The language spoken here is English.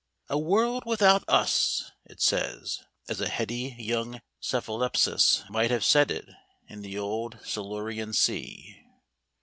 "A world without us!" it says, as a heady young Cephalaspis might have said it in the old Silurian sea.